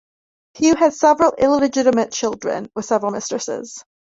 Hugh had several illegitimate children with several mistresses.